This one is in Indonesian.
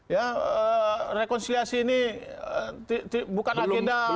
ya rekonsiliasi ini bukan agenda